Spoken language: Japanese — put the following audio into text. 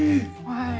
はい。